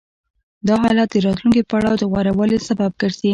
دا حالت د راتلونکي پړاو د غوره والي سبب ګرځي